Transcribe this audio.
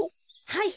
はい！